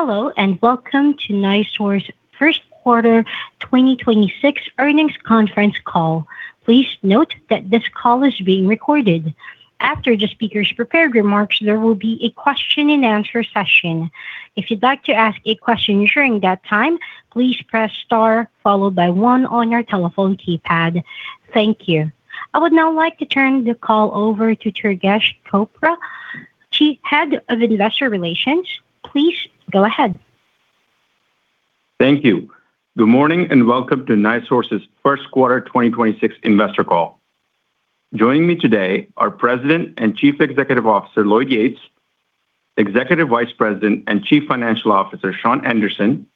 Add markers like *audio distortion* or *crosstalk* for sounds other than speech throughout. Hello, and welcome to NiSource First quarter 2026 earnings conference call. Please note that this call is being recorded. After the speakers' prepared remarks, there will be a question-and-answer session. If you'd like to ask a question during that time, please press star followed by one on your telephone keypad. Thank you. I would now like to turn the call over to Durgesh Chopra, chief, Head of Investor Relations. Please go ahead. Thank you. Good morning, and welcome to NiSource's First quarter 2026 investor call. Joining me today are President and Chief Executive Officer, Lloyd Yates; Executive Vice President and Chief Financial Officer, Shawn Anderson;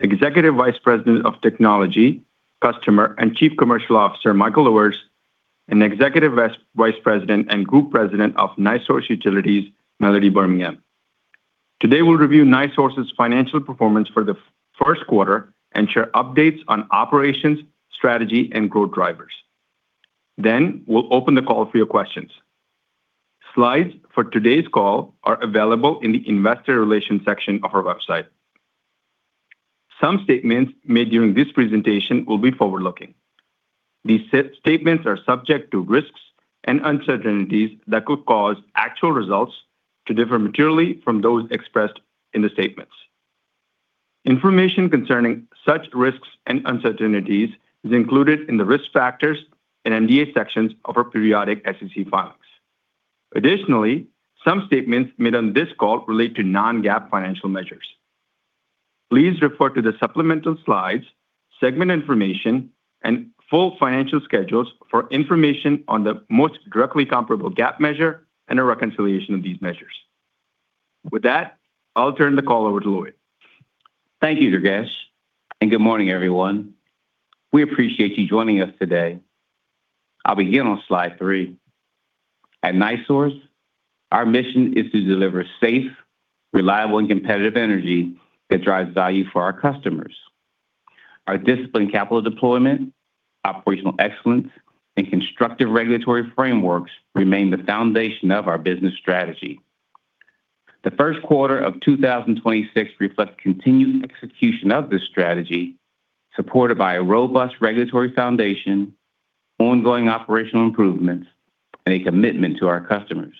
Executive Vice President of Technology, Customer, and Chief Commercial Officer, Michael Luhrs; and Executive Vice President and Group President of NiSource Utilities, Melody Birmingham. Today, we'll review NiSource's financial performance for the first quarter and share updates on operations, strategy, and growth drivers. We'll open the call for your questions. Slides for today's call are available in the Investor Relations section of our website. Some statements made during this presentation will be forward-looking. These statements are subject to risks and uncertainties that could cause actual results to differ materially from those expressed in the statements. Information concerning such risks and uncertainties is included in the Risk Factors and MD&A sections of our periodic SEC filings. Additionally, some statements made on this call relate to non-GAAP financial measures. Please refer to the supplemental slides, segment information, and full financial schedules for information on the most directly comparable GAAP measure and a reconciliation of these measures. With that, I'll turn the call over to Lloyd. Thank you, Durgesh, and good morning, everyone. We appreciate you joining us today. I'll begin on slide three. At NiSource, our mission is to deliver safe, reliable, and competitive energy that drives value for our customers. Our disciplined capital deployment, operational excellence, and constructive regulatory frameworks remain the foundation of our business strategy. The first quarter of 2026 reflects continued execution of this strategy, supported by a robust regulatory foundation, ongoing operational improvements, and a commitment to our customers.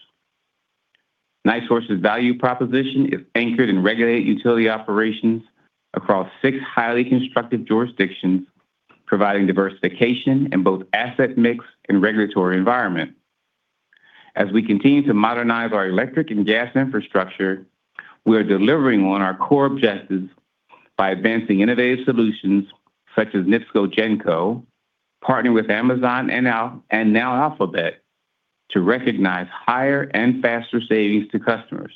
NiSource's value proposition is anchored in regulated utility operations across 6 highly constructive jurisdictions, providing diversification in both asset mix and regulatory environment. As we continue to modernize our electric and gas infrastructure, we are delivering on our core objectives by advancing innovative solutions such as NIPSCO GenCo, partnering with Amazon and now Alphabet to recognize higher and faster savings to customers.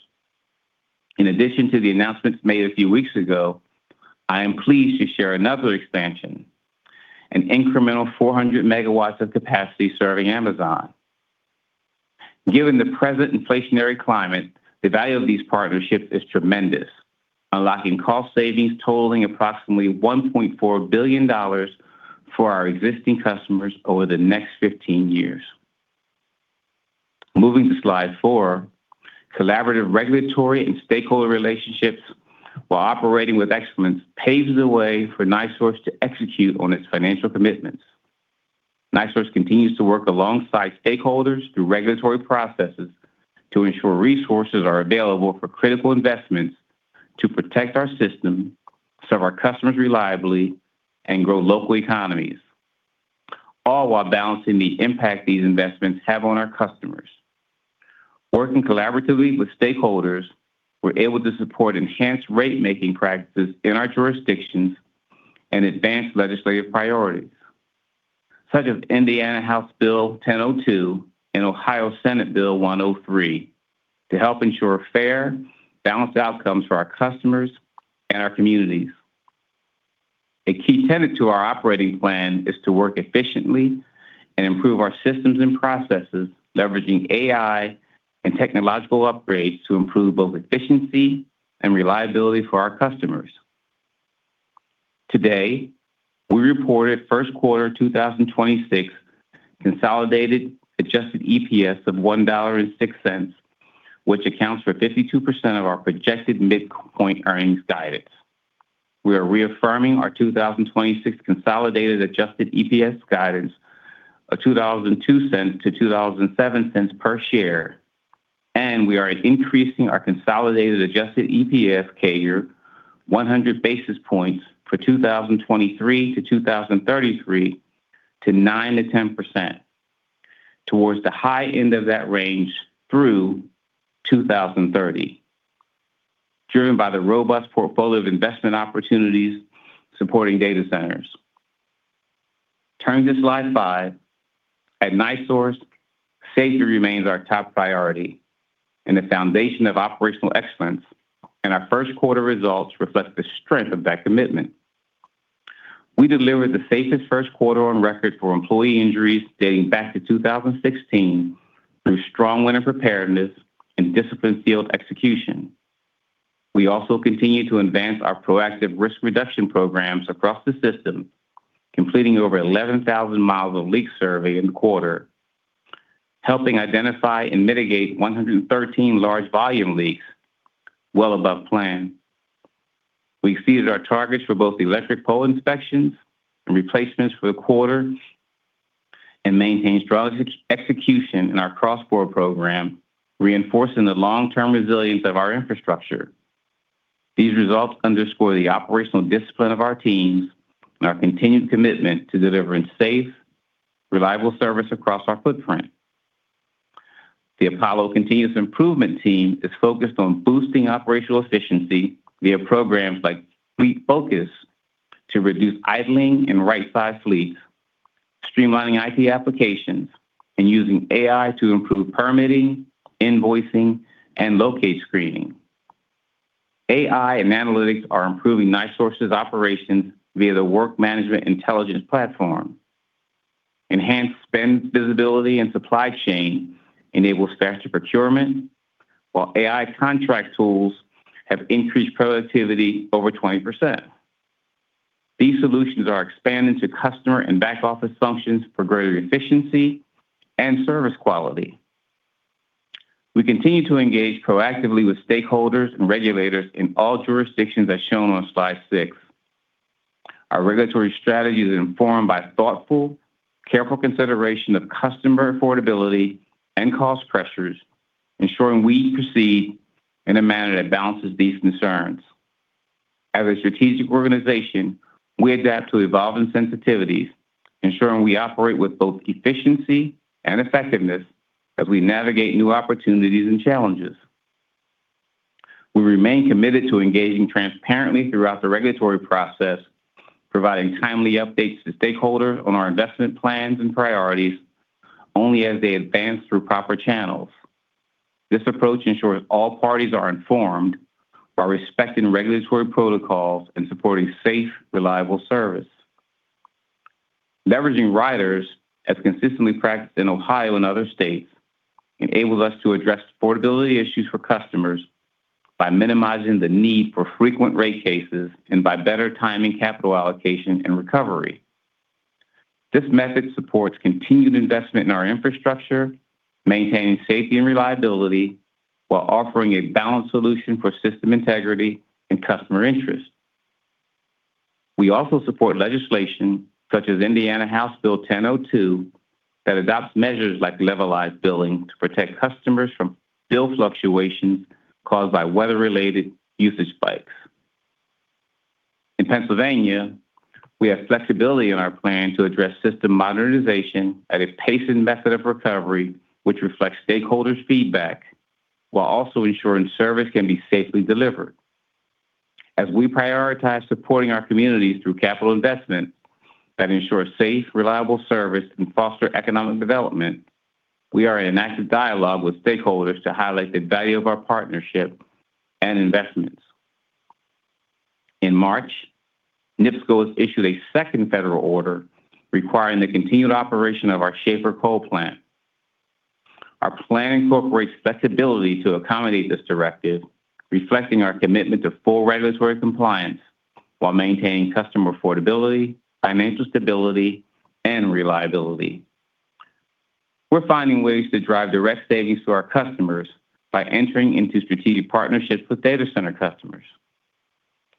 In addition to the announcements made a few weeks ago, I am pleased to share another expansion, an incremental 400 MW of capacity serving Amazon. Given the present inflationary climate, the value of these partnerships is tremendous, unlocking cost savings totaling approximately $1.4 billion for our existing customers over the next 15 years. Moving to slide four. Collaborative regulatory and stakeholder relationships while operating with excellence paves the way for NiSource to execute on its financial commitments. NiSource continues to work alongside stakeholders through regulatory processes to ensure resources are available for critical investments to protect our system, serve our customers reliably, and grow local economies, all while balancing the impact these investments have on our customers. Working collaboratively with stakeholders, we're able to support enhanced rate-making practices in our jurisdictions and advance legislative priorities, such as Indiana House Bill 1002 and Ohio Senate Bill 103, to help ensure fair, balanced outcomes for our customers and our communities. A key tenet to our operating plan is to work efficiently and improve our systems and processes, leveraging AI and technological upgrades to improve both efficiency and reliability for our customers. Today, we reported first quarter 2026 consolidated adjusted EPS of $1.06, which accounts for 52% of our projected midpoint earnings guidance. We are reaffirming our 2026 consolidated adjusted EPS guidance of $2.02-$2.07 per share. We are increasing our consolidated adjusted EPS CAGR 100 basis points for 2023 to 2033 to 9%-10% towards the high end of that range through 2030, driven by the robust portfolio of investment opportunities supporting data centers. Turning to slide five. At NiSource, safety remains our top priority and the foundation of operational excellence. Our first quarter results reflect the strength of that commitment. We delivered the safest first quarter on record for employee injuries dating back to 2016 through strong winter preparedness and disciplined field execution. We also continue to advance our proactive risk reduction programs across the system, completing over 11,000 mi of leak survey in quarter, helping identify and mitigate 113 large volume leaks well above plan. We exceeded our targets for both electric pole inspections and replacements for the quarter, and maintained strong execution in our cross bore program, reinforcing the long-term resilience of our infrastructure. These results underscore the operational discipline of our teams and our continued commitment to delivering safe, reliable service across our footprint. The Apollo Continuous Improvement team is focused on boosting operational efficiency via programs like Fleet Focus to reduce idling and right-size fleets, streamlining IT applications, and using AI to improve permitting, invoicing, and locate screening. AI and analytics are improving NiSource's operations via the Work Management Intelligence platform. Enhanced spend visibility and supply chain enables faster procurement, while AI contract tools have increased productivity over 20%. These solutions are expanding to customer and back-office functions for greater efficiency and service quality. We continue to engage proactively with stakeholders and regulators in all jurisdictions as shown on slide six. Our regulatory strategy is informed by thoughtful, careful consideration of customer affordability and cost pressures, ensuring we proceed in a manner that balances these concerns. As a strategic organization, we adapt to evolving sensitivities, ensuring we operate with both efficiency and effectiveness as we navigate new opportunities and challenges. We remain committed to engaging transparently throughout the regulatory process, providing timely updates to stakeholders on our investment plans and priorities only as they advance through proper channels. This approach ensures all parties are informed while respecting regulatory protocols and supporting safe, reliable service. Leveraging riders, as consistently practiced in Ohio and other states, enables us to address affordability issues for customers by minimizing the need for frequent rate cases and by better timing capital allocation and recovery. This method supports continued investment in our infrastructure, maintaining safety and reliability, while offering a balanced solution for system integrity and customer interest. We also support legislation, such as Indiana House Bill 1002, that adopts measures like levelized billing to protect customers from bill fluctuations caused by weather-related usage spikes. In Pennsylvania, we have flexibility in our plan to address system modernization at a paced method of recovery, which reflects stakeholders' feedback while also ensuring service can be safely delivered. As we prioritize supporting our communities through capital investment that ensure safe, reliable service and foster economic development, we are in an active dialogue with stakeholders to highlight the value of our partnership and investments. In March, NIPSCO was issued a second federal order requiring the continued operation of our Schahfer Coal Plant. Our plan incorporates flexibility to accommodate this directive, reflecting our commitment to full regulatory compliance while maintaining customer affordability, financial stability, and reliability. We're finding ways to drive direct savings to our customers by entering into strategic partnerships with data center customers.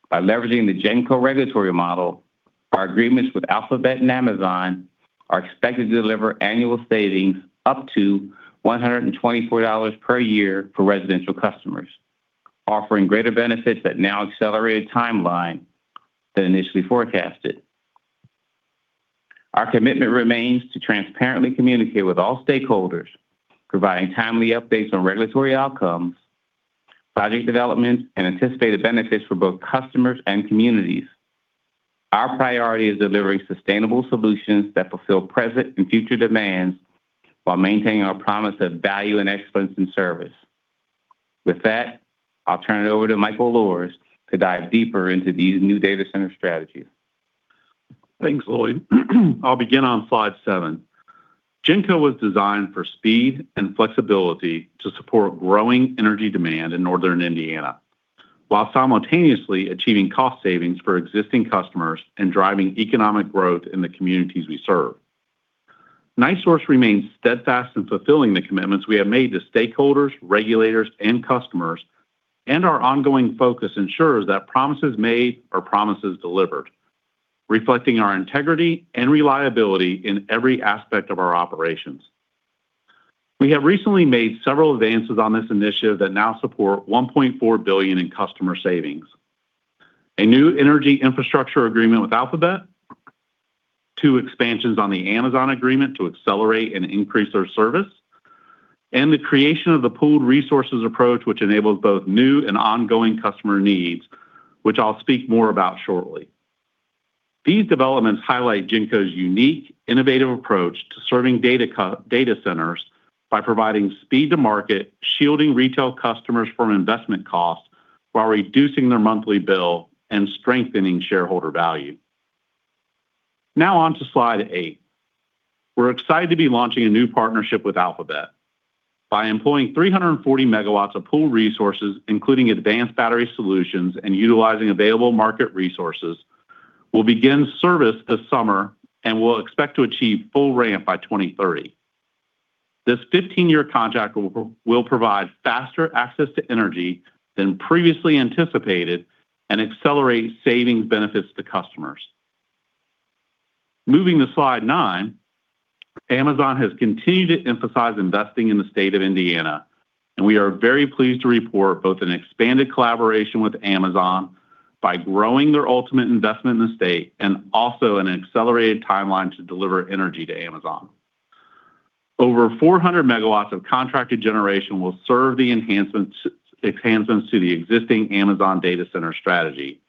By leveraging the GenCo regulatory model, our agreements with Alphabet and Amazon are expected to deliver annual savings up to $124 per year for residential customers, offering greater benefits at an now accelerated timeline than initially forecasted. Our commitment remains to transparently communicate with all stakeholders, providing timely updates on regulatory outcomes, project developments, and anticipated benefits for both customers and communities. Our priority is delivering sustainable solutions that fulfill present and future demands while maintaining our promise of value and excellence in service. With that, I'll turn it over to Michael Luhrs to dive deeper into these new data center strategies. Thanks, Lloyd. I'll begin on slide seven. GenCo was designed for speed and flexibility to support growing energy demand in northern Indiana while simultaneously achieving cost savings for existing customers and driving economic growth in the communities we serve. NiSource remains steadfast in fulfilling the commitments we have made to stakeholders, regulators, and customers, and our ongoing focus ensures that promises made are promises delivered, reflecting our integrity and reliability in every aspect of our operations. We have recently made several advances on this initiative that now support $1.4 billion in customer savings. A new energy infrastructure agreement with Alphabet, two expansions on the Amazon agreement to accelerate and increase their service, and the creation of the pooled resources approach, which enables both new and ongoing customer needs, which I'll speak more about shortly. These developments highlight GenCo's unique, innovative approach to serving data centers by providing speed to market, shielding retail customers from investment costs, while reducing their monthly bill and strengthening shareholder value. Now on to slide eight. We're excited to be launching a new partnership with Alphabet. By employing 340 MW of pool resources, including advanced battery solutions and utilizing available market resources, we'll begin service this summer and we'll expect to achieve full ramp by 2030. This 15-year contract will provide faster access to energy than previously anticipated and accelerate savings benefits to customers. Moving to slide nine, Amazon has continued to emphasize investing in the state of Indiana, and we are very pleased to report both an expanded collaboration with Amazon by growing their ultimate investment in the state and also an accelerated timeline to deliver energy to Amazon. Over 400 MW of contracted generation will serve the enhancements to the existing Amazon data center strategy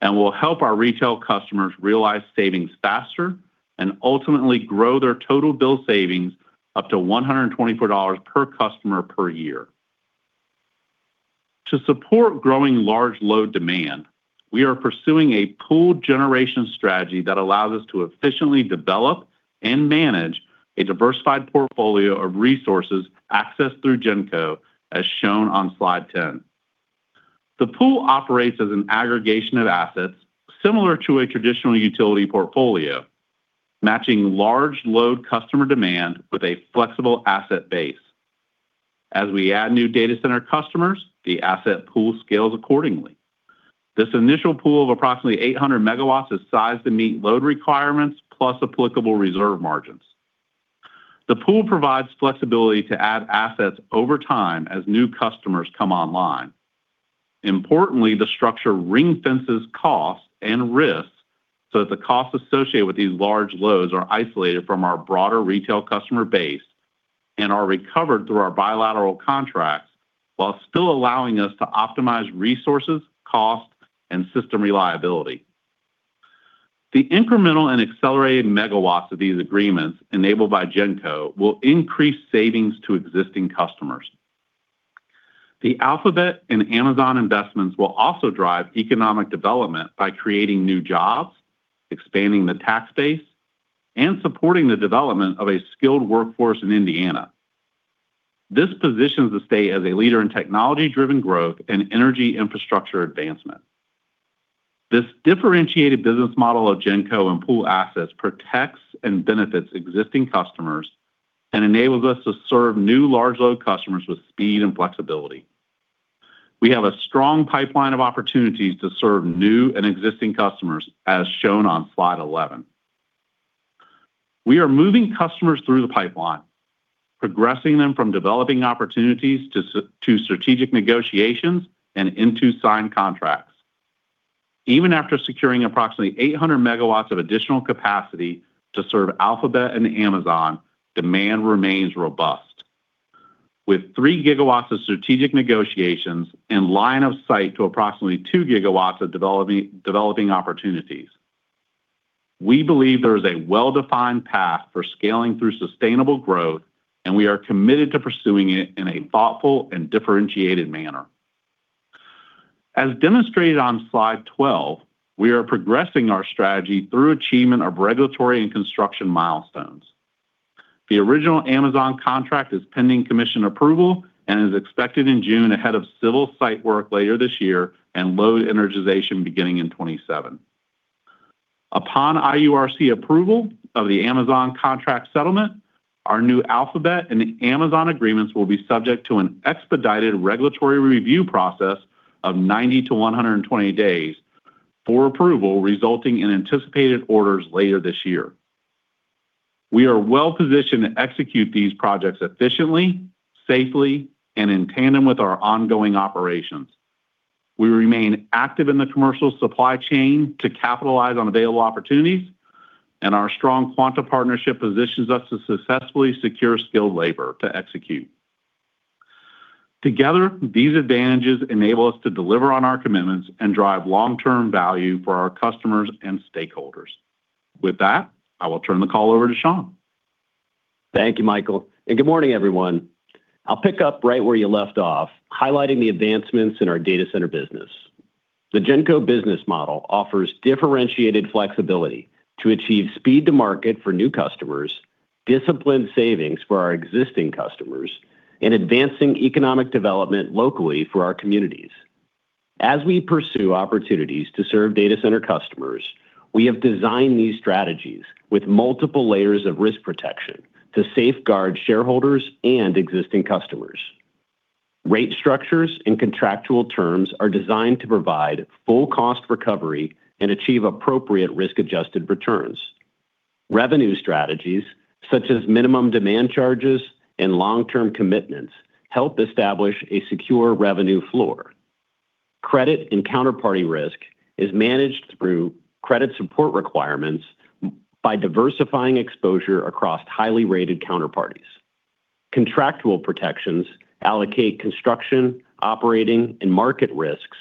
and will help our retail customers realize savings faster and ultimately grow their total bill savings up to $124 per customer per year. To support growing large load demand, we are pursuing a pooled generation strategy that allows us to efficiently develop and manage a diversified portfolio of resources accessed through GenCo, as shown on slide 10. The pool operates as an aggregation of assets similar to a traditional utility portfolio, matching large load customer demand with a flexible asset base. As we add new data center customers, the asset pool scales accordingly. This initial pool of approximately 800 MW is sized to meet load requirements plus applicable reserve margins. The pool provides flexibility to add assets over time as new customers come online. Importantly, the structure ring-fences costs and risks so that the costs associated with these large loads are isolated from our broader retail customer base and are recovered through our bilateral contracts while still allowing us to optimize resources, cost, and system reliability. The incremental and accelerated megawatts of these agreements enabled by GenCo will increase savings to existing customers. The Alphabet and Amazon investments will also drive economic development by creating new jobs, expanding the tax base, and supporting the development of a skilled workforce in Indiana. This positions the state as a leader in technology-driven growth and energy infrastructure advancement. This differentiated business model of GenCo and pool assets protects and benefits existing customers and enables us to serve new large load customers with speed and flexibility. We have a strong pipeline of opportunities to serve new and existing customers, as shown on slide 11. We are moving customers through the pipeline, progressing them from developing opportunities to strategic negotiations and into signed contracts. Even after securing approximately 800 MW of additional capacity to serve Alphabet and Amazon, demand remains robust. With 3 GW of strategic negotiations and line of sight to approximately 2 GW of developing opportunities. We believe there is a well-defined path for scaling through sustainable growth, and we are committed to pursuing it in a thoughtful and differentiated manner. As demonstrated on slide 12, we are progressing our strategy through achievement of regulatory and construction milestones. The original Amazon contract is pending commission approval and is expected in June ahead of civil site work later this year and load energization beginning in 2027. Upon IURC approval of the Amazon contract settlement, our new Alphabet and Amazon agreements will be subject to an expedited regulatory review process of 90-120 days for approval, resulting in anticipated orders later this year. We are well-positioned to execute these projects efficiently, safely, and in tandem with our ongoing operations. We remain active in the commercial supply chain to capitalize on available opportunities, and our strong Quanta partnership positions us to successfully secure skilled labor to execute. Together, these advantages enable us to deliver on our commitments and drive long-term value for our customers and stakeholders. With that, I will turn the call over to Shawn. Thank you, Michael, good morning, everyone. I'll pick up right where you left off, highlighting the advancements in our data center business. The GenCo business model offers differentiated flexibility to achieve speed to market for new customers, disciplined savings for our existing customers, and advancing economic development locally for our communities. As we pursue opportunities to serve data center customers, we have designed these strategies with multiple layers of risk protection to safeguard shareholders and existing customers. Rate structures and contractual terms are designed to provide full cost recovery and achieve appropriate risk-adjusted returns. Revenue strategies, such as minimum demand charges and long-term commitments, help establish a secure revenue floor. Credit and counterparty risk is managed through credit support requirements by diversifying exposure across highly rated counterparties. Contractual protections allocate construction, operating, and market risks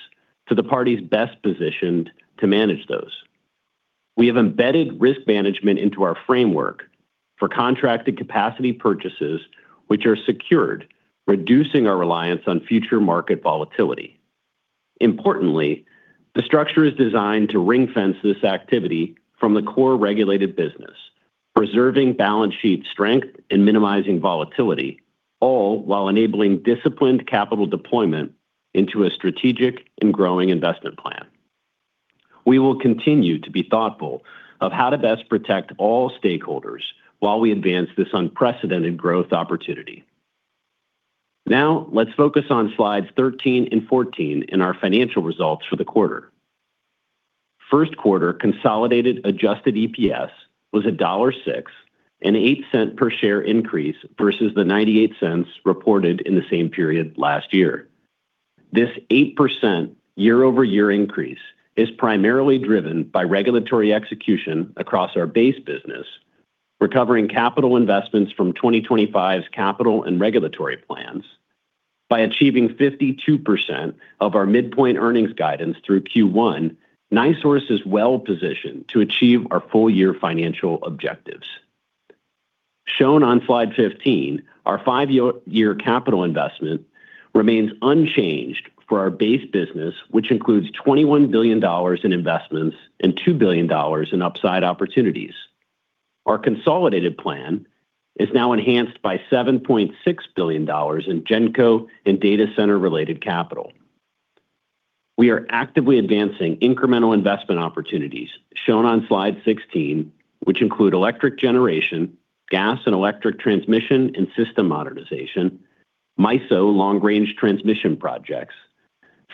to the parties best positioned to manage those. The structure is designed to ring-fence this activity from the core regulated business, preserving balance sheet strength and minimizing volatility, all while enabling disciplined capital deployment into a strategic and growing investment plan. We will continue to be thoughtful of how to best protect all stakeholders while we advance this unprecedented growth opportunity. Let's focus on slides 13 and 14 in our financial results for the quarter. First quarter consolidated adjusted EPS was $1.06, an $0.08 per share increase versus the $0.98 reported in the same period last year. This 8% year-over-year increase is primarily driven by regulatory execution across our base business, recovering capital investments from 2025's capital and regulatory plans. By achieving 52% of our midpoint earnings guidance through Q1, NiSource is well-positioned to achieve our full-year financial objectives. Shown on slide 15, our five-year capital investment remains unchanged for our base business, which includes $21 billion in investments and $2 billion in upside opportunities. Our consolidated plan is now enhanced by $7.6 billion in GenCo and data center-related capital. We are actively advancing incremental investment opportunities shown on slide 16, which include electric generation, gas and electric transmission and system modernization, MISO long-range transmission projects,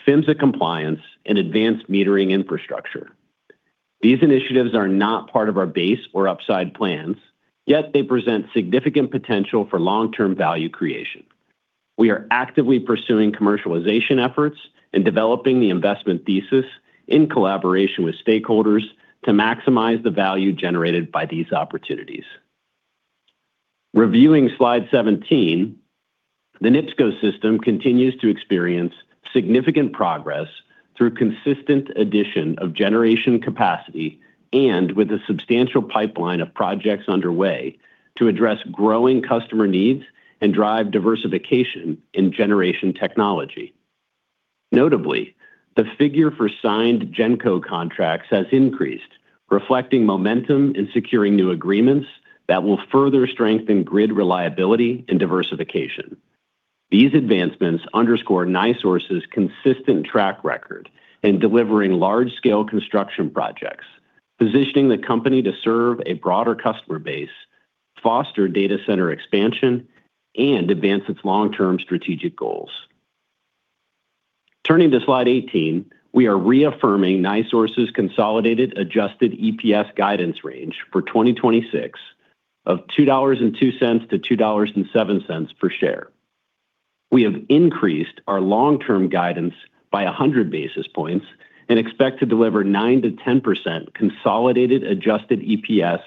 PHMSA compliance, and advanced metering infrastructure. These initiatives are not part of our base or upside plans, yet they present significant potential for long-term value creation. We are actively pursuing commercialization efforts and developing the investment thesis in collaboration with stakeholders to maximize the value generated by these opportunities. Reviewing slide 17, the NIPSCO system continues to experience significant progress through consistent addition of generation capacity and with a substantial pipeline of projects underway to address growing customer needs and drive diversification in generation technology. Notably, the figure for signed GenCo contracts has increased, reflecting momentum in securing new agreements that will further strengthen grid reliability and diversification. These advancements underscore NiSource's consistent track record in delivering large-scale construction projects, positioning the company to serve a broader customer base, foster data center expansion, and advance its long-term strategic goals. Turning to slide 18, we are reaffirming NiSource's consolidated adjusted EPS guidance range for 2026 of $2.02 to $2.07 per share. We have increased our long-term guidance by 100 basis points and expect to deliver 9%-10% consolidated adjusted EPS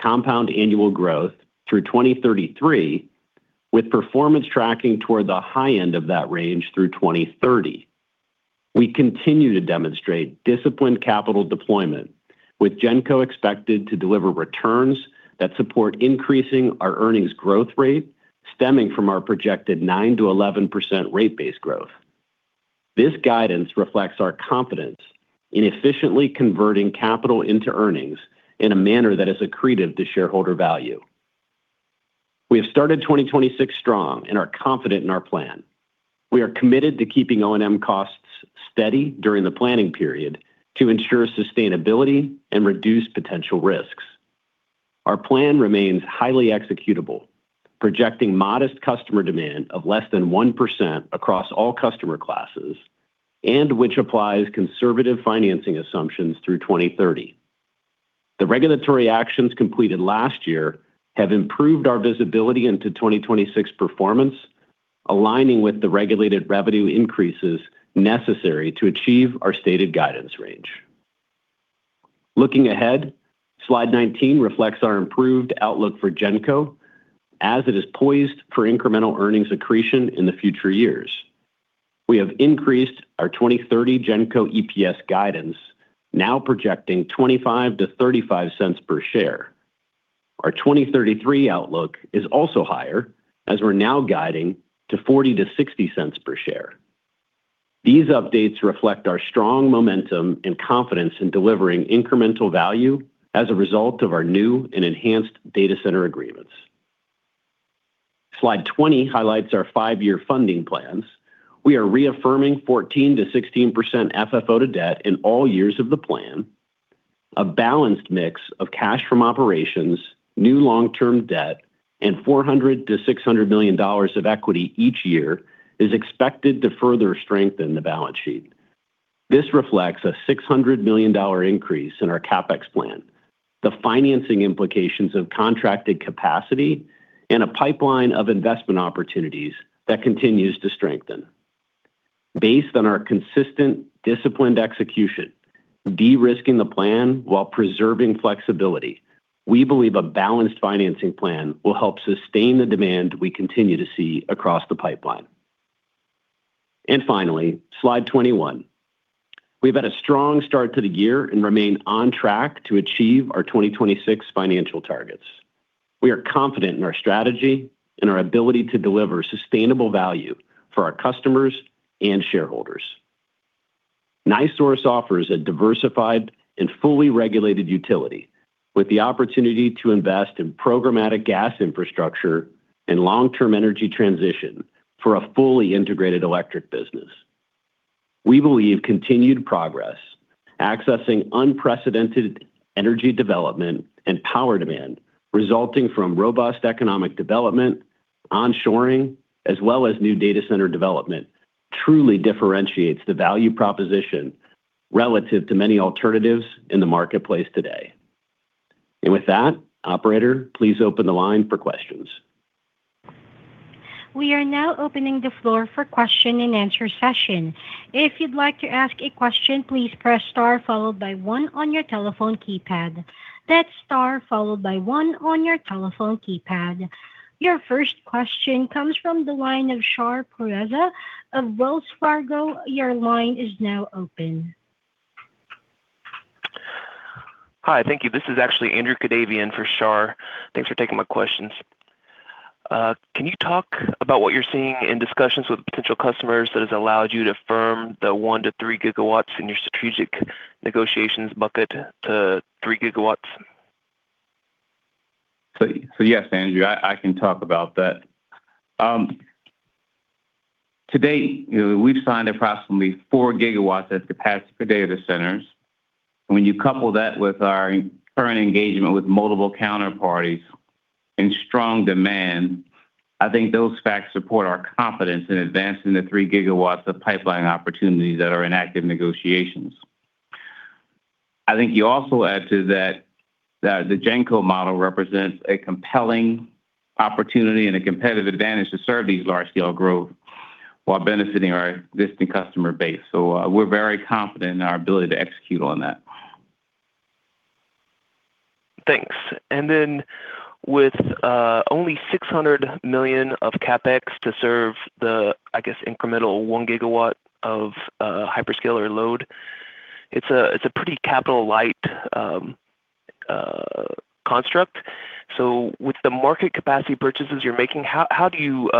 compound annual growth through 2033, with performance tracking toward the high end of that range through 2030. We continue to demonstrate disciplined capital deployment, with GenCo expected to deliver returns that support increasing our earnings growth rate stemming from our projected 9%-11% rate-based growth. This guidance reflects our confidence in efficiently converting capital into earnings in a manner that is accretive to shareholder value. We have started 2026 strong and are confident in our plan. We are committed to keeping O&M costs steady during the planning period to ensure sustainability and reduce potential risks. Our plan remains highly executable, projecting modest customer demand of less than 1% across all customer classes and which applies conservative financing assumptions through 2030. The regulatory actions completed last year have improved our visibility into 2026 performance, aligning with the regulated revenue increases necessary to achieve our stated guidance range. Looking ahead, slide 19 reflects our improved outlook for GenCo as it is poised for incremental earnings accretion in the future years. We have increased our 2030 GenCo EPS guidance, now projecting $0.25-$0.35 per share. Our 2033 outlook is also higher, as we're now guiding to $0.40-$0.60 per share. These updates reflect our strong momentum and confidence in delivering incremental value as a result of our new and enhanced data center agreements. Slide 20 highlights our five-year funding plans. We are reaffirming 14%-16% FFO-to-debt in all years of the plan. A balanced mix of cash from operations, new long-term debt, and $400 million-$600 million of equity each year is expected to further strengthen the balance sheet. This reflects a $600 million increase in our CapEx plan, the financing implications of contracted capacity, and a pipeline of investment opportunities that continues to strengthen. Based on our consistent, disciplined execution, de-risking the plan while preserving flexibility, we believe a balanced financing plan will help sustain the demand we continue to see across the pipeline. Finally, slide 21. We've had a strong start to the year and remain on track to achieve our 2026 financial targets. We are confident in our strategy and our ability to deliver sustainable value for our customers and shareholders. NiSource offers a diversified and fully regulated utility with the opportunity to invest in programmatic gas infrastructure and long-term energy transition for a fully integrated electric business. We believe continued progress, accessing unprecedented energy development and power demand resulting from robust economic development, onshoring, as well as new data center development, truly differentiates the value proposition relative to many alternatives in the marketplace today. With that, operator, please open the line for questions. We are now opening the floor for question-and-answer session. If you'd like to ask a question, please press star followed by one on your telephone keypad. That's star followed by one on your telephone keypad. Your first question comes from the line of Shar Pourreza of Wells Fargo. Your line is now open. Hi. Thank you. This is actually Andrew Kadavian for Shar. Thanks for taking my questions. Can you talk about what you're seeing in discussions with potential customers that has allowed you to firm the 1 GW-3 GW in your strategic negotiations bucket to 3 GW? Yes, Andrew. I can talk about that. To-date, we've signed approximately 4 GW as capacity for data centers. When you couple that with our current engagement with multiple counterparties and strong demand, I think those facts support our confidence in advancing the 3 GW of pipeline opportunities that are in active negotiations. I think you also add to that the GenCo model represents a compelling opportunity and a competitive advantage to serve these large scale growth while benefiting our existing customer base. We're very confident in our ability to execute on that. Thanks. With only $600 million of CapEx to serve the, I guess, incremental 1 GW of hyperscaler load, it's a, it's a pretty capital light construct. With the market capacity purchases you're making, how do you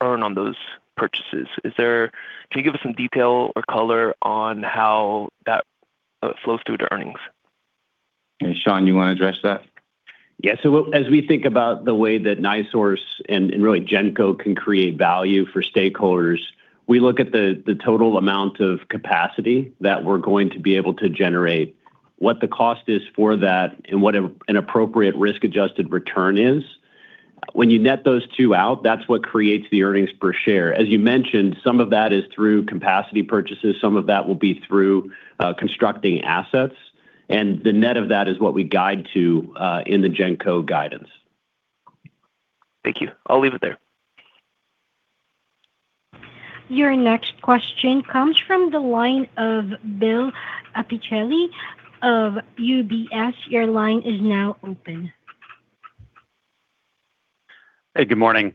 earn on those purchases? Can you give us some detail or color on how that flows through to earnings? Hey, Shawn, you wanna address that? As we think about the way that NiSource and really GenCo can create value for stakeholders, we look at the total amount of capacity that we're going to be able to generate, what the cost is for that, and what an appropriate risk-adjusted return is. When you net those two out, that's what creates the earnings per share. As you mentioned, some of that is through capacity purchases, some of that will be through constructing assets. The net of that is what we guide to in the GenCo guidance. Thank you. I'll leave it there. Your next question comes from the line of Bill Appicelli of UBS. Your line is now open. Hey, good morning.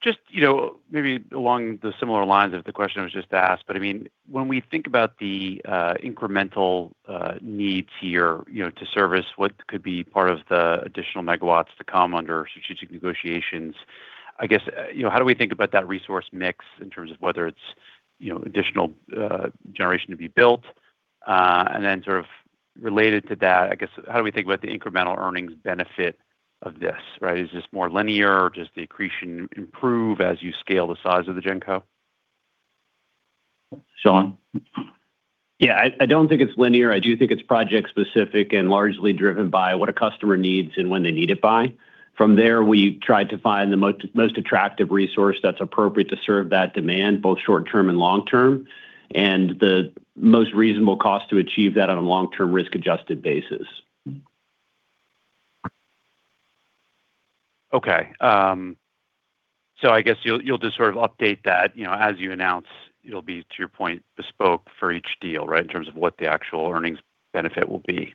Just, you know, maybe along the similar lines of the question that was just asked, but I mean, when we think about the incremental needs here, you know, to service what could be part of the additional megawatts to come under strategic negotiations, I guess, you know, how do we think about that resource mix in terms of whether it's, you know, additional generation to be built? Then sort of related to that, I guess, how do we think about the incremental earnings benefit of this, right? Is this more linear? Does the accretion improve as you scale the size of the GenCo? Shawn? Yeah. I don't think it's linear. I do think it's project specific and largely driven by what a customer needs and when they need it by. From there, we try to find the most attractive resource that's appropriate to serve that demand, both short-term and long-term, and the most reasonable cost to achieve that on a long-term risk-adjusted basis. Okay. I guess you'll just sort of update that, you know, as you announce, it'll be, to your point, bespoke for each deal, right, in terms of what the actual earnings benefit will be.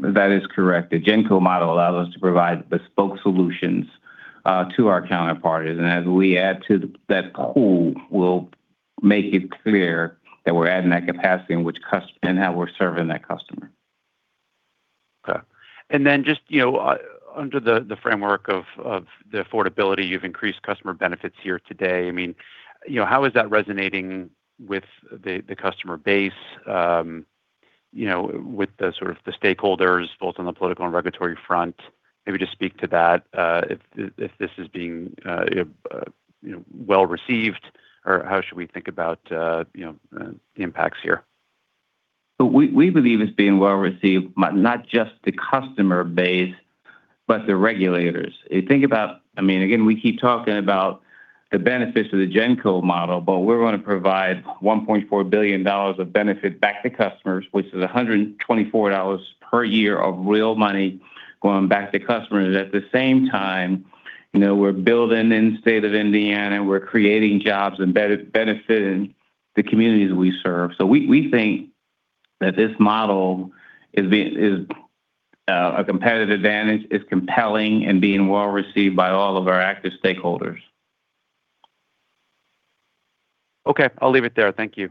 That is correct. The GenCo model allows us to provide bespoke solutions to our counterparties. As we add to that pool, we'll make it clear that we're adding that capacity in which and how we're serving that customer. Okay. You know, under the framework of the affordability, you've increased customer benefits here today. I mean, you know, how is that resonating with the customer base, you know, with the sort of the stakeholders, both on the political and regulatory front? Maybe just speak to that, if this is being, you know, well received, or how should we think about, you know, the impacts here? We believe it's being well received by not just the customer base but the regulators. I mean, again, we keep talking about the benefits of the GenCo model, we're gonna provide $1.4 billion of benefit back to customers, which is $124 per year of real money going back to customers. At the same time, you know, we're building in the state of Indiana, we're creating jobs and benefiting the communities we serve. We think that this model is a competitive advantage, is compelling and being well received by all of our active stakeholders. Okay, I'll leave it there. Thank you.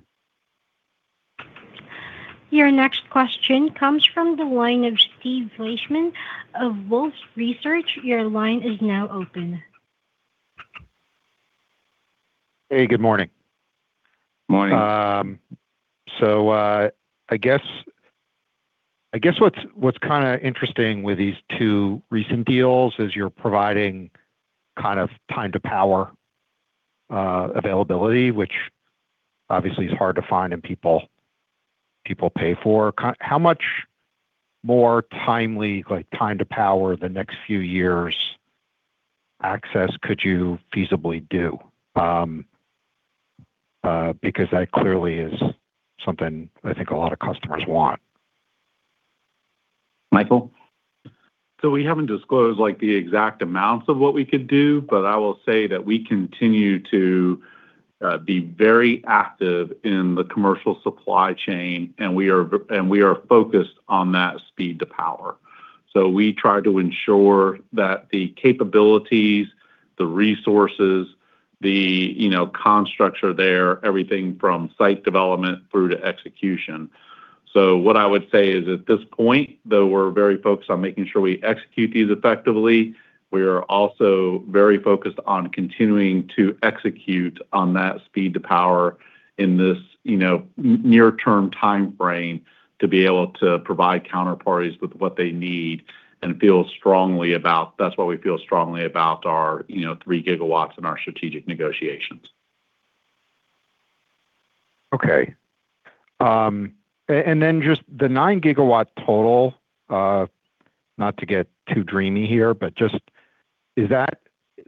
Your next question comes from the line of Steve Fleishman of Wolfe Research. Your line is now open. Hey, good morning. Morning. I guess what's kind of interesting with these two recent deals is you're providing kind of time to power availability, which obviously is hard to find and people pay for. How much more timely, like time to power the next few years access could you feasibly do? Because that clearly is something I think a lot of customers want. Michael? We haven't disclosed, like, the exact amounts of what we could do, but I will say that we continue to be very active in the commercial supply chain, and we are focused on that speed to power. We try to ensure that the capabilities, the resources, the, you know, constructs are there, everything from site development through to execution. What I would say is, at this point, though we're very focused on making sure we execute these effectively, we are also very focused on continuing to execute on that speed to power in this, you know, near term timeframe to be able to provide counterparties with what they need and feel strongly about. That's why we feel strongly about our, you know, 3 GW and our strategic negotiations. Okay. Then just the 9 GW total, not to get too dreamy here, but just is that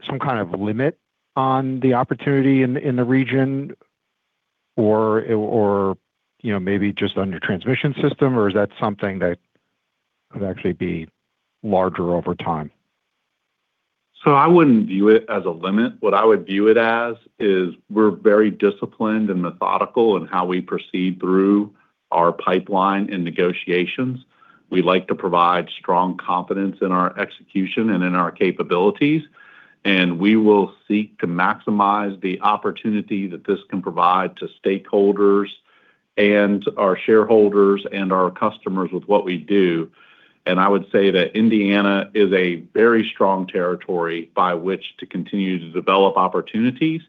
some kind of limit on the opportunity in the region or, you know, maybe just on your transmission system, or is that something that could actually be larger over time? I wouldn't view it as a limit. What I would view it as is we're very disciplined and methodical in how we proceed through our pipeline and negotiations. We like to provide strong confidence in our execution and in our capabilities, and we will seek to maximize the opportunity that this can provide to stakeholders and our shareholders and our customers with what we do. I would say that Indiana is a very strong territory by which to continue to develop opportunities,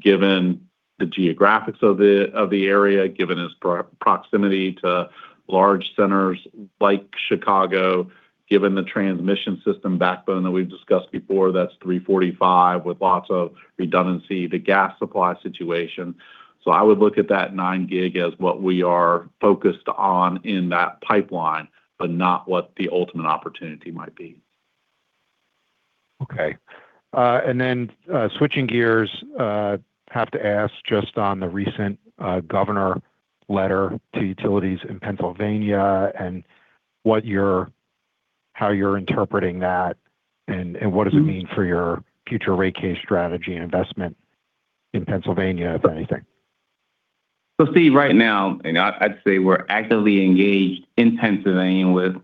given the geographics of the area, given its pro-proximity to large centers like Chicago, given the transmission system backbone that we've discussed before, that's 345 kV with lots of redundancy, the gas supply situation. I would look at that 9 GW as what we are focused on in that pipeline, but not what the ultimate opportunity might be. Okay. Switching gears, have to ask just on the recent Governor letter to utilities in Pennsylvania and how you're interpreting that and what does it mean for your future rate case strategy and investment in Pennsylvania, if anything? Steve, right now, you know, I'd say we're actively engaged in Pennsylvania with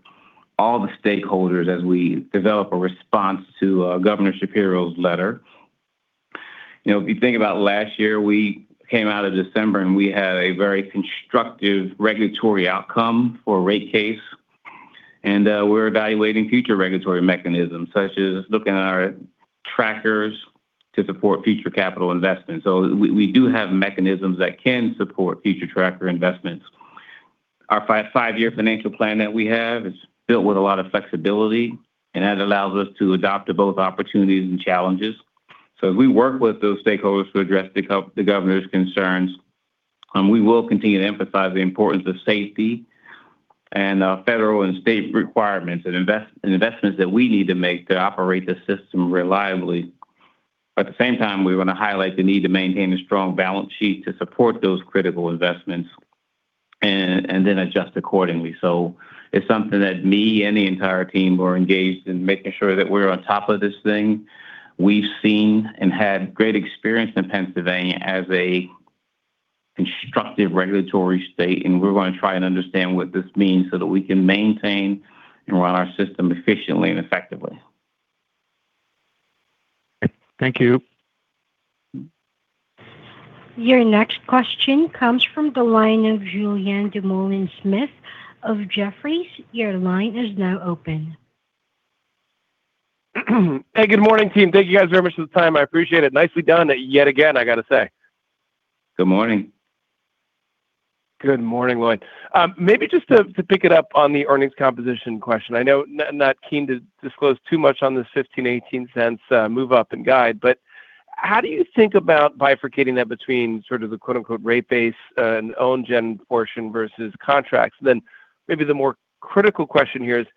all the stakeholders as we develop a response to Governor Shapiro's letter. You know, if you think about last year, we came out of December, we had a very constructive regulatory outcome for rate case, we're evaluating future regulatory mechanisms, such as looking at our trackers to support future CapEx investments. We do have mechanisms that can support future tracker investments. Our five-year financial plan that we have is built with a lot of flexibility, that allows us to adapt to both opportunities and challenges. As we work with those stakeholders to address the Governor's concerns, we will continue to emphasize the importance of safety and federal and state requirements and investments that we need to make to operate the system reliably. At the same time, we want to highlight the need to maintain a strong balance sheet to support those critical investments and then adjust accordingly. It's something that me and the entire team are engaged in making sure that we're on top of this thing. We've seen and had great experience in Pennsylvania as a constructive regulatory state, and we're going to try and understand what this means so that we can maintain and run our system efficiently and effectively. Thank you. Your next question comes from the line of Julien Dumoulin-Smith of Jefferies. Your line is now open. Hey, good morning, team. Thank you guys very much for the time. I appreciate it. Nicely done yet again, I gotta say. Good morning. Good morning, Lloyd. Maybe just to pick it up on the earnings composition question. I know not keen to disclose too much on this $0.15-$0.18 move up and guide, how do you think about bifurcating that between sort of the quote-unquote rate base and own gen portion versus contracts? Maybe the more critical question here is: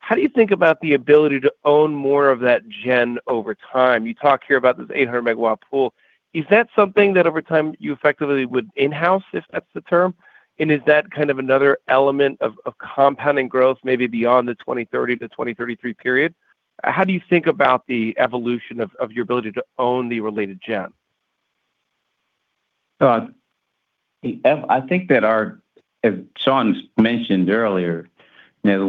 How do you think about the ability to own more of that gen over time? You talk here about this 800 MW pool. Is that something that over time you effectively would in-house, if that's the term? Is that kind of another element of compounding growth maybe beyond the 2030-2033 period? How do you think about the evolution of your ability to own the related gen? *audio distortion* I think that as Shawn mentioned earlier, you know,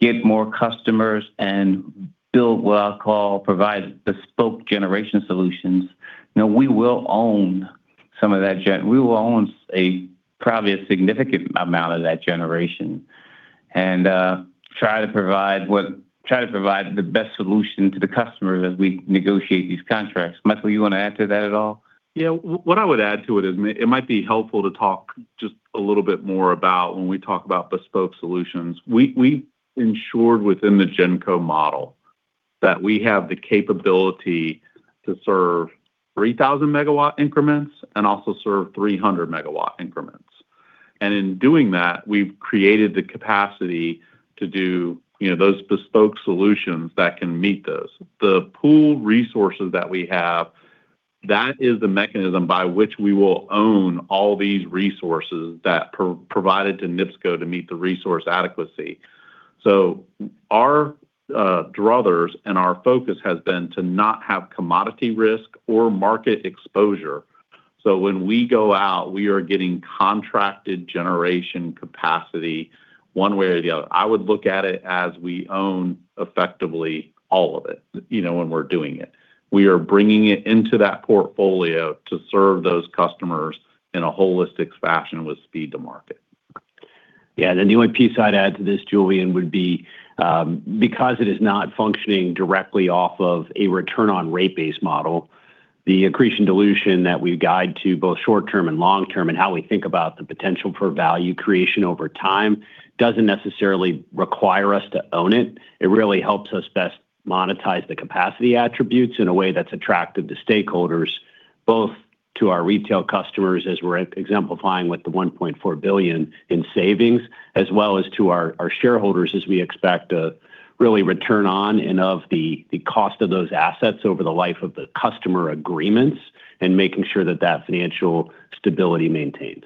we get more customers and build what I call provide bespoke generation solutions. We will own a probably significant amount of that generation and try to provide the best solution to the customer as we negotiate these contracts. Michael, you want to add to that at all? Yeah. What I would add to it might be helpful to talk just a little bit more about when we talk about bespoke solutions. We ensured within the GenCo model that we have the capability to serve 3,000 MW increments and also serve 300 MW increments. In doing that, we've created the capacity to do, you know, those bespoke solutions that can meet those. The pool resources that we have, that is the mechanism by which we will own all these resources that provided to NIPSCO to meet the resource adequacy. Our druthers and our focus has been to not have commodity risk or market exposure. When we go out, we are getting contracted generation capacity one way or the other. I would look at it as we own effectively all of it, you know, when we're doing it. We are bringing it into that portfolio to serve those customers in a holistic fashion with speed to market. Yeah. The only piece I'd add to this, Julien, would be, because it is not functioning directly off of a return on rate base model, the accretion dilution that we guide to both short-term and long-term, and how we think about the potential for value creation over time doesn't necessarily require us to own it. It really helps us best monetize the capacity attributes in a way that's attractive to stakeholders, both to our retail customers as we're exemplifying with the $1.4 billion in savings, as well as to our shareholders as we expect a really return on and of the cost of those assets over the life of the customer agreements and making sure that that financial stability maintains.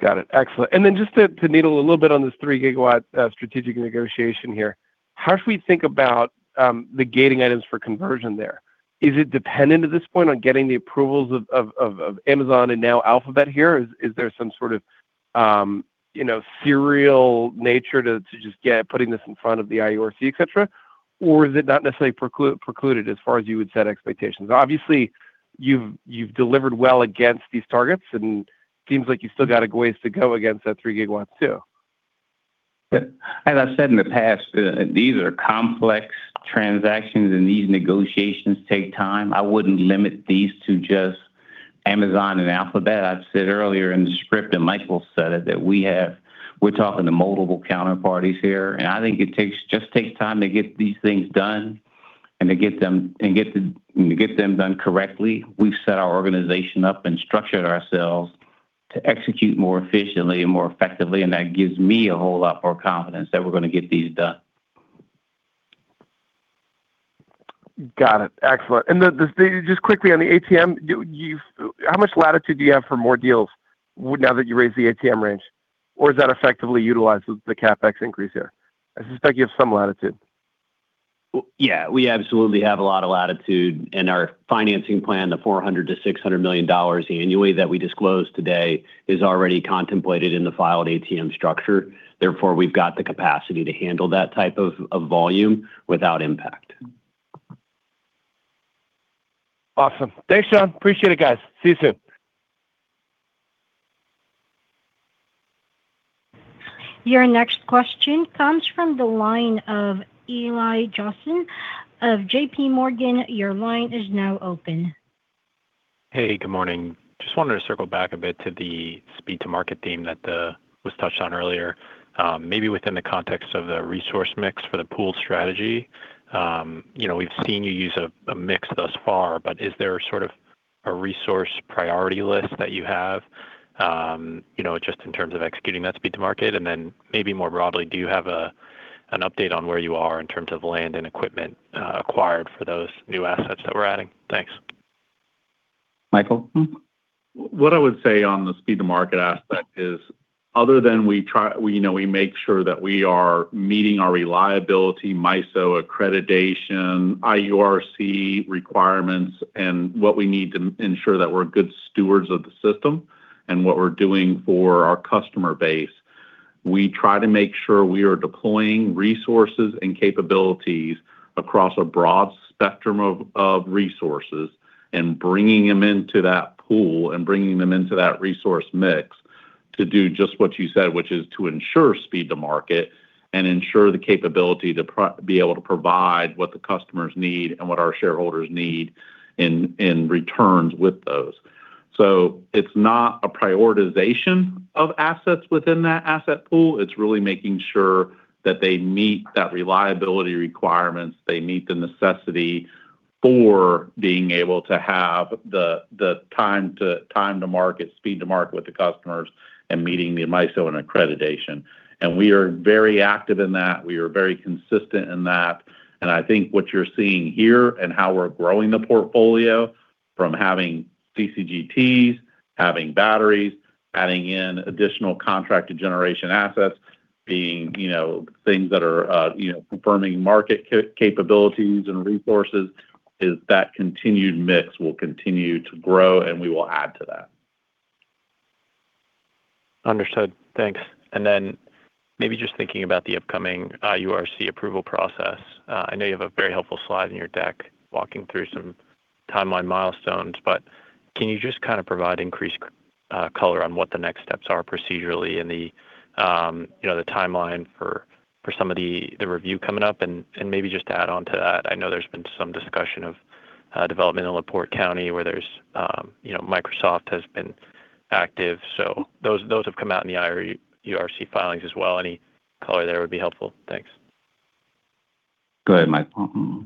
Got it. Excellent. Then just to needle a little bit on this 3 GW strategic negotiation here. How should we think about the gating items for conversion there? Is it dependent at this point on getting the approvals of Amazon and now Alphabet here? Is there some sort of, you know, serial nature to putting this in front of the IURC, et cetera? Or is it not necessarily precluded as far as you would set expectations? Obviously, you've delivered well against these targets, and seems like you still got a ways to go against that 3 GW too. As I've said in the past, these are complex transactions, and these negotiations take time. I wouldn't limit these to just Amazon and Alphabet. I've said earlier in the script, and Michael said it, that we're talking to multiple counterparties here, and I think it just takes time to get these things done and to get them done correctly. We've set our organization up and structured ourselves to execute more efficiently and more effectively, and that gives me a whole lot more confidence that we're gonna get these done. Got it. Excellent. The, the, just quickly on the ATM, How much latitude do you have for more deals now that you raised the ATM range? Or is that effectively utilized with the CapEx increase here? I suspect you have some latitude. Well, yeah, we absolutely have a lot of latitude in our financing plan, the $400 million-$600 million annually that we disclosed today is already contemplated in the filed ATM structure. Therefore, we've got the capacity to handle that type of volume without impact. Awesome. Thanks, Shawn. Appreciate it, guys. See you soon. Your next question comes from the line of Eli Jossen of JPMorgan. Your line is now open. Hey, good morning. Just wanted to circle back a bit to the speed to market theme that was touched on earlier. Maybe within the context of the resource mix for the pool strategy. You know, we've seen you use a mix thus far, but is there sort of a resource priority list that you have, you know, just in terms of executing that speed to market? Maybe more broadly, do you have an update on where you are in terms of land and equipment acquired for those new assets that we're adding? Thanks. Michael, mm? What I would say on the speed to market aspect is other than we try, we, you know, we make sure that we are meeting our reliability, MISO accreditation, IURC requirements, and what we need to ensure that we're good stewards of the system and what we're doing for our customer base. We try to make sure we are deploying resources and capabilities across a broad spectrum of resources and bringing them into that pool and bringing them into that resource mix to do just what you said, which is to ensure speed to market and ensure the capability to be able to provide what the customers need and what our shareholders need in returns with those. It's not a prioritization of assets within that asset pool. It's really making sure that they meet that reliability requirements, they meet the necessity for being able to have the time to market, speed to market with the customers and meeting the MISO accreditation. We are very active in that. We are very consistent in that. I think what you're seeing here and how we're growing the portfolio from having CCGTs. Having batteries, adding in additional contracted generation assets, being, you know, things that are, you know, confirming market capabilities and resources is that continued mix will continue to grow, and we will add to that. Understood. Thanks. Maybe just thinking about the upcoming IURC approval process. I know you have a very helpful slide in your deck walking through some timeline milestones, but can you just kind of provide increased color on what the next steps are procedurally and the, you know, the timeline for some of the review coming up? Maybe just to add on to that, I know there's been some discussion of development in La Porte County where there's, you know, Microsoft has been active. Those have come out in the IURC filings as well. Any color there would be helpful. Thanks. Go ahead, Mike. Mm-hmm.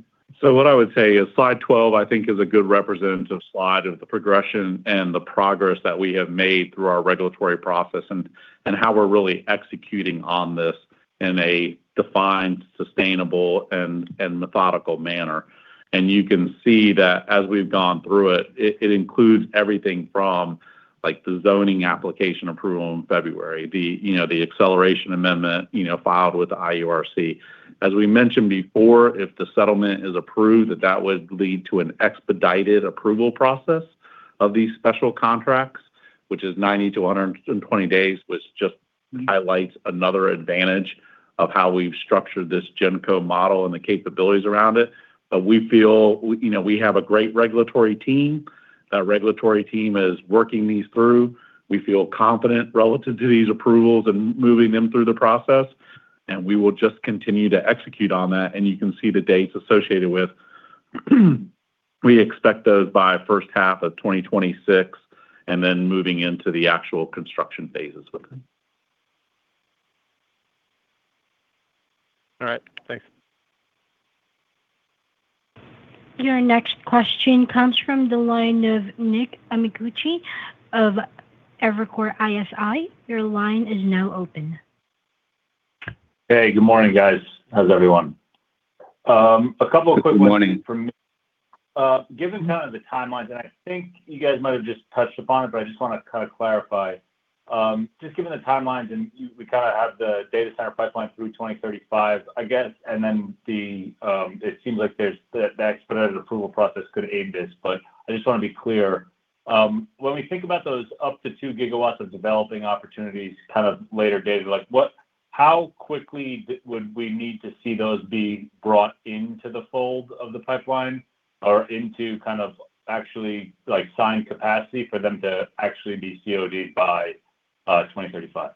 What I would say is slide 12, I think, is a good representative slide of the progression and the progress that we have made through our regulatory process and how we're really executing on this in a defined, sustainable, and methodical manner. You can see that as we've gone through it includes everything from, like, the zoning application approval in February, the, you know, the acceleration amendment, you know, filed with the IURC. As we mentioned before, if the settlement is approved, that would lead to an expedited approval process of these special contracts, which is 90-120 days, which just highlights another advantage of how we've structured this GenCo model and the capabilities around it. We feel, you know, we have a great regulatory team. That regulatory team is working these through. We feel confident relative to these approvals and moving them through the process, and we will just continue to execute on that. You can see the dates associated with. We expect those by first half of 2026, and then moving into the actual construction phases with them. All right. Thanks. Your next question comes from the line of Nick Amicucci of Evercore ISI. Your line is now open. Hey, good morning, guys. How's everyone? Good morning. A couple quick ones from me. Given kind of the timelines, and I think you guys might have just touched upon it, but I just wanna kinda clarify. Just given the timelines, and we kind of have the data center pipeline through 2035, I guess, and then the, it seems like the, that expedited approval process could aid this, but I just wanna be clear. When we think about those up to 2 GW of developing opportunities kind of later dated, like, how quickly would we need to see those be brought into the fold of the pipeline or into kind of actually, like, signed capacity for them to actually be COD'd by 2035?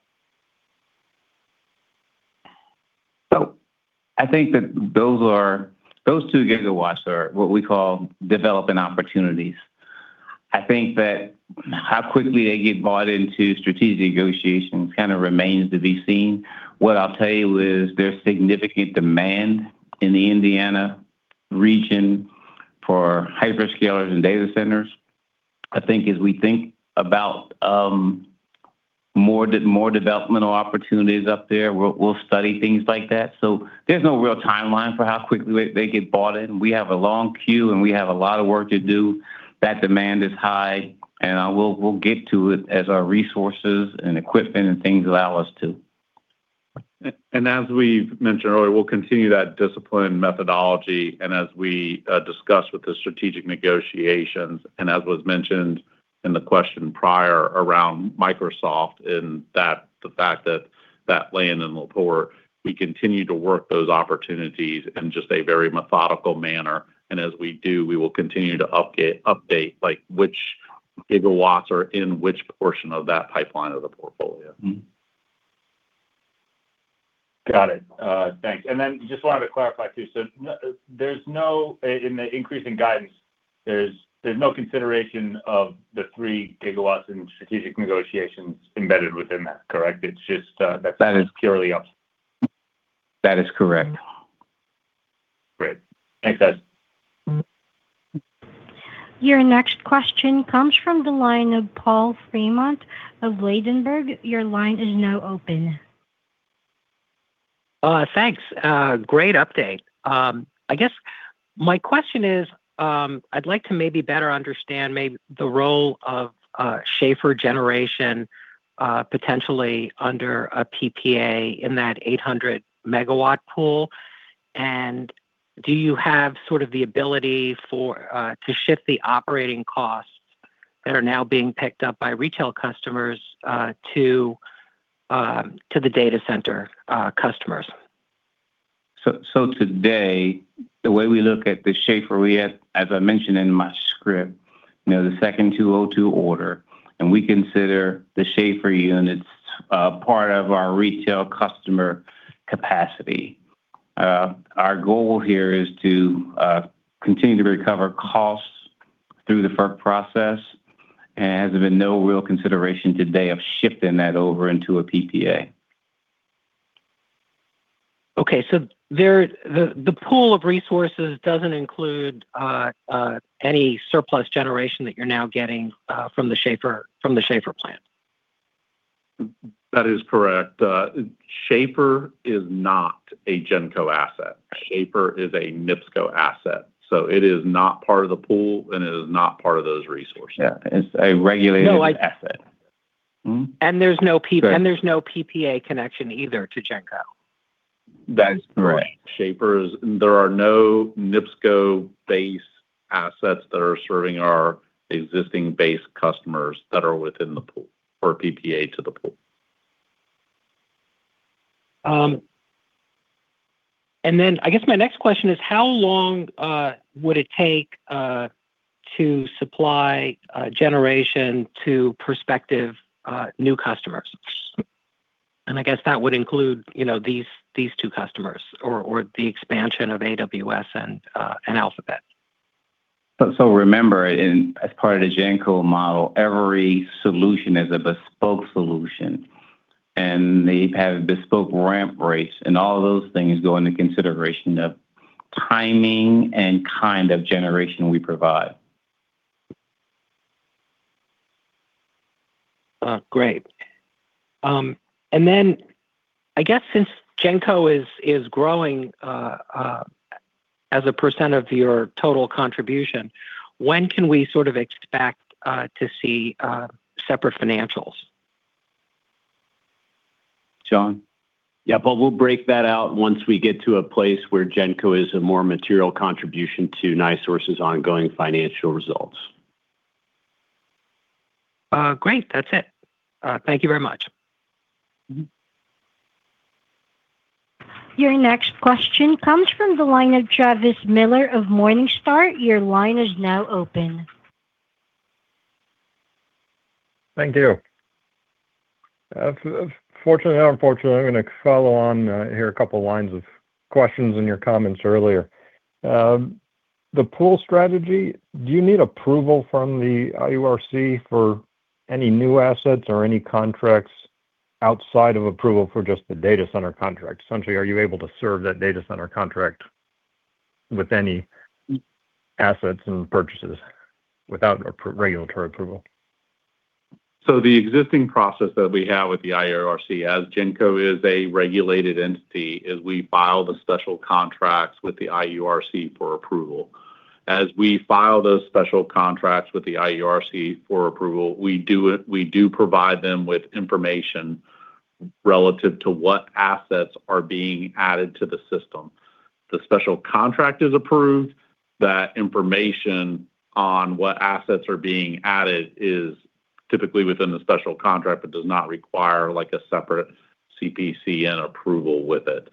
I think that 2 GW are what we call developing opportunities. I think that how quickly they get bought into strategic negotiations kind of remains to be seen. What I'll tell you is there's significant demand in the Indiana region for hyperscalers and data centers. I think as we think about more developmental opportunities up there, we'll study things like that. There's no real timeline for how quickly they get bought in. We have a long queue, and we have a lot of work to do. That demand is high, and we'll get to it as our resources and equipment and things allow us to. As we've mentioned earlier, we'll continue that discipline and methodology, as we discuss with the strategic negotiations, and as was mentioned in the question prior around Microsoft and that, the fact that that land in La Porte, we continue to work those opportunities in just a very methodical manner. As we do, we will continue to update, like, which gigawatts are in which portion of that pipeline of the portfolio. Got it. Thanks. Just wanted to clarify, too. There's no in the increase in guidance, there's no consideration of the 3 GW in strategic negotiations embedded within that, correct? That is- That's purely up. That is correct. Great. Thanks, guys. Your next question comes from the line of Paul Fremont of Ladenburg. Your line is now open. Thanks. Great update. I guess my question is, I'd like to maybe better understand the role of, Schahfer Generation, potentially under a PPA in that 800 MW pool. Do you have sort of the ability for, to shift the operating costs that are now being picked up by retail customers, to the data center, customers? Today, the way we look at the Schahfer, we have, as I mentioned in my script, you know, the second 202 order, and we consider the Schahfer units part of our retail customer capacity. Our goal here is to continue to recover costs through the FERC process, and there's been no real consideration today of shifting that over into a PPA. Okay. There, the pool of resources doesn't include any surplus generation that you're now getting from the Schahfer plant? That is correct. Schahfer is not a GenCo asset. Schahfer is a NIPSCO asset. It is not part of the pool and it is not part of those resources. Yeah. It's a regulated asset. No. There's no Go ahead. There's no PPA connection either to GenCo? That is correct. Right. Schahfer. There are no NIPSCO base assets that are serving our existing base customers that are within the pool or PPA to the pool. I guess my next question is how long would it take to supply generation to prospective new customers? I guess that would include, you know, these two customers or the expansion of AWS and Alphabet. Remember as part of the GenCo model, every solution is a bespoke solution and they have bespoke ramp rates, and all of those things go into consideration of timing and kind of generation we provide. Great. I guess since GenCo is growing as a percent of your total contribution, when can we sort of expect to see separate financials? Shawn? Yeah. Paul, we'll break that out once we get to a place where GenCo is a more material contribution to NiSource's ongoing financial results. Great. That's it. Thank you very much. Your next question comes from the line of Travis Miller of Morningstar. Your line is now open. Thank you. Fortunately or unfortunately, I'm gonna follow on a couple lines of questions in your comments earlier. The pool strategy, do you need approval from the IURC for any new assets or any contracts outside of approval for just the data center contract? Essentially, are you able to serve that data center contract with any assets and purchases without regulatory approval? The existing process that we have with the IURC, as GenCo is a regulated entity, is we file the special contracts with the IURC for approval. As we file those special contracts with the IURC for approval, we do provide them with information relative to what assets are being added to the system. The special contract is approved, that information on what assets are being added is typically within the special contract but does not require, like, a separate CPCN approval with it.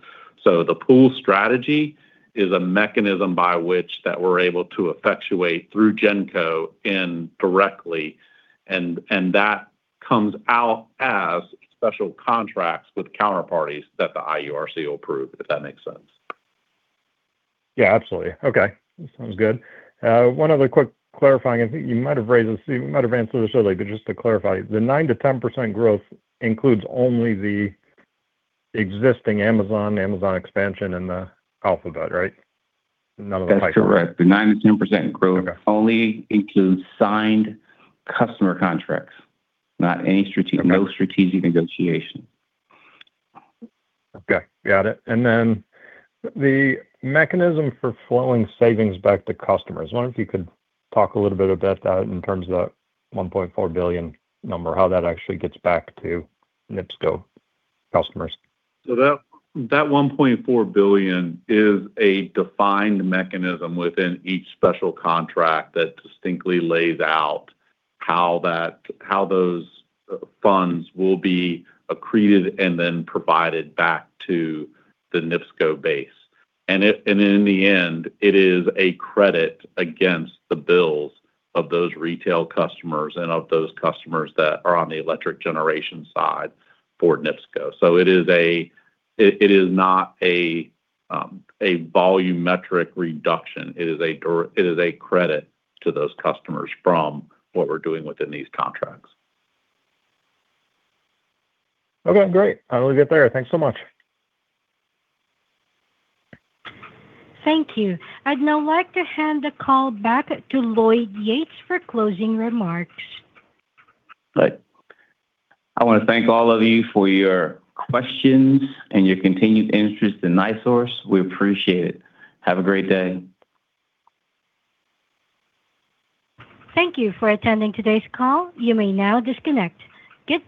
The pool strategy is a mechanism by which that we're able to effectuate through GenCo indirectly and that comes out as special contracts with counterparties that the IURC will approve, if that makes sense. Yeah, absolutely. Okay. That sounds good. One other quick clarifying. I think you might have raised this, you might have answered this earlier, but just to clarify. The 9%-10% growth includes only the existing Amazon expansion and the Alphabet, right? None of the pipeline. That's correct. The 9%-10% growth. Okay only includes signed customer contracts. Okay no strategic negotiation. Okay. Got it. The mechanism for flowing savings back to customers, wonder if you could talk a little bit about that in terms of the $1.4 billion number, how that actually gets back to NIPSCO customers. That $1.4 billion is a defined mechanism within each special contract that distinctly lays out how those funds will be accreted and then provided back to the NIPSCO base. In the end, it is a credit against the bills of those retail customers and of those customers that are on the electric generation side for NIPSCO. It is not a volumetric reduction. It is a credit to those customers from what we're doing within these contracts. Okay, great. I'll leave it there. Thanks so much. Thank you. I'd now like to hand the call back to Lloyd Yates for closing remarks. Right. I wanna thank all of you for your questions and your continued interest in NiSource. We appreciate it. Have a great day. Thank you for attending today's call. You may now disconnect. Goodbye